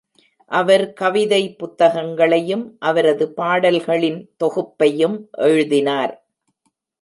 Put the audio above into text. அவர் கவிதை புத்தகங்களையும் அவரது பாடல்களின் தொகுப்பையும் எழுதினார்.